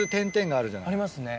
ありますね。